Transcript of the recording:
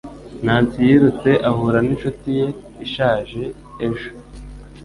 Nancy yirutse ahura ninshuti ye ishaje ejo.